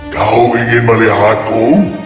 kau ingin melihatku